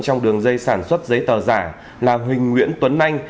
trong đường dây sản xuất giấy tờ giả là huỳnh nguyễn tuấn anh